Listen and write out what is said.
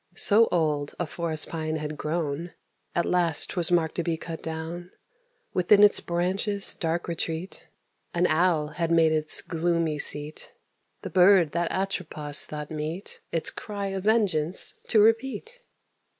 So old a forest pine had grown, At last 'twas marked to be cut down. Within its branches' dark retreat [Illustration: THE OWL AND THE MICE.] An Owl had made its gloomy seat The bird that Atropos thought meet Its cry of vengeance to repeat.